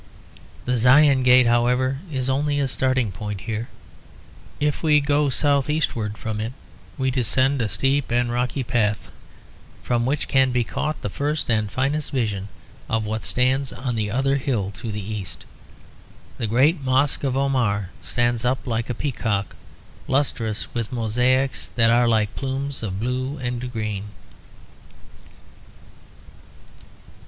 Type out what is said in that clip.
The Zion Gate, however, is only a starting point here; if we go south eastward from it we descend a steep and rocky path, from which can be caught the first and finest vision of what stands on the other hill to the east. The great Mosque of Omar stands up like a peacock, lustrous with mosaics that are like plumes of blue and green.